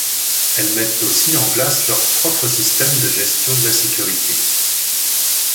Elles mettent aussi en place leur propre système de gestion de la sécurité.